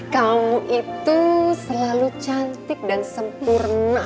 kau itu selalu cantik dan sempurna